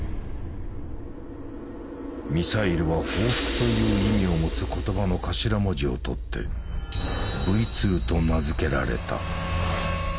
ミサイルは「報復」という意味を持つ言葉の頭文字を取って「Ｖ２」と名付けられた。